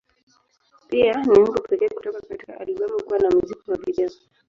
Pia, ni wimbo pekee kutoka katika albamu kuwa na muziki wa video.